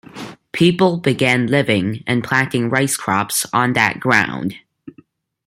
People began living and planting rice crops on that ground.